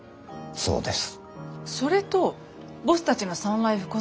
そうです。